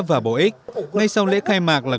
và bổ ích ngay sau lễ khai mạc là